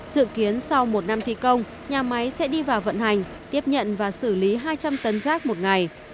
dự kiến sau một năm thi công nhà máy sẽ đi vào vận hành tiếp nhận và xử lý hai trăm linh tấn rác một ngày